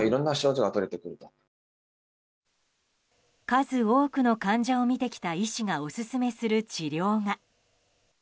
数多くの患者を診てきた医師がオススメする治療が。